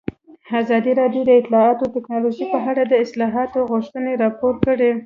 ازادي راډیو د اطلاعاتی تکنالوژي په اړه د اصلاحاتو غوښتنې راپور کړې.